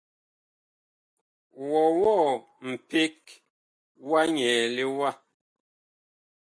Wɔwɔɔ mpeg wa nyɛɛle wa ?